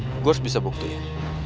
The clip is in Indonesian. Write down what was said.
gue harus bisa buktiin